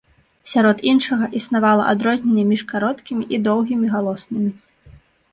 Сярод іншага, існавала адрозненне між кароткімі і доўгімі галоснымі.